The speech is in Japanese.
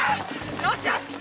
よし、よし。